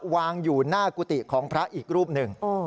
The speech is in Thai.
วางอยู่หน้ากุฏิของพระอีกรูปหนึ่ง